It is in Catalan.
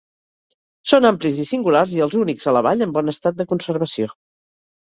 Són amplis i singulars i els únics a la vall en bon estat de conservació.